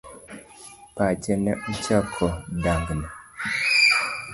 Pache ne ochako dang'ni.